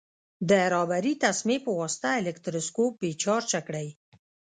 د ربړي تسمې په واسطه الکتروسکوپ بې چارجه کړئ.